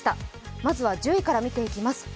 まずは１０位から見ていきます。